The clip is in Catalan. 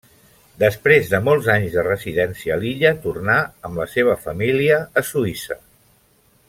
Després de molts anys de residència a l'illa tornà amb la seva família a Suïssa.